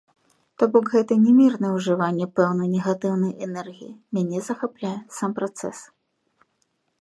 То бок гэта не мірнае ўжыванне пэўнай негатыўнай энергіі, мяне захапляе сам працэс.